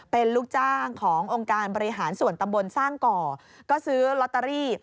เป็นลูกจ้างขององค์การบริหารส่วนตำบลสร้างก่อก็ซื้อลอตเตอรี่